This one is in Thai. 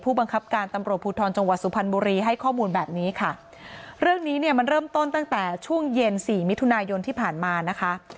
บังคับการตำรวจภูทรจังหวัดสุพรรณบุรีให้ข้อมูลแบบนี้ค่ะเรื่องนี้เนี่ยมันเริ่มต้นตั้งแต่ช่วงเย็นสี่มิถุนายนที่ผ่านมานะคะ